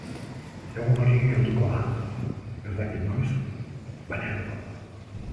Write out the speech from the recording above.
Egun hori helduko da, ez dakit noiz, baina helduko da.